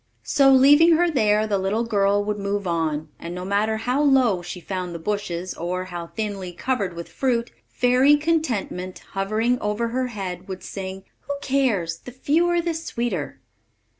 So, leaving her there, the little girl would move on; and no matter how low she found the bushes, or how thinly covered with fruit, fairy Contentment, hovering over her head, would sing, "Who cares? The fewer, the sweeter."